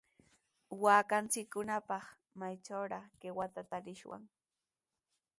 Waakanchikkunapaq, ¿maytrawraq qiwata tarishwan?